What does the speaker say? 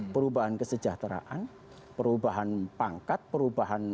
perubahan kesejahteraan perubahan pangkat perubahan